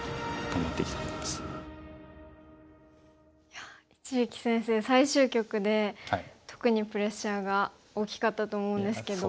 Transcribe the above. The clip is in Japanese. いや一力先生最終局で特にプレッシャーが大きかったと思うんですけど。